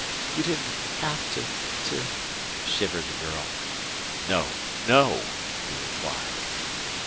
"You didn't have to to " shivered the girl. "No! no!" he replied.